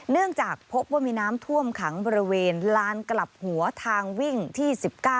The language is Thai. เนื่องจากพบว่ามีน้ำท่วมขังบริเวณลานกลับหัวทางวิ่งที่๑๙